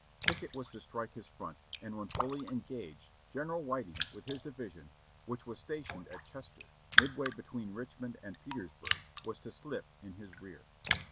Pickett was to strike his front, and when fully engaged, Gen eral Whiting, w^ith his division, which was stationed at Chester, midway between Richmond and Petersburg, was to slip in his rear.